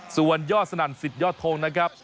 ส่วนยอดสนั่นสิทธยอดทงนะครับ